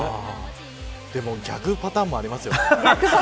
でも逆パターンもありますよね。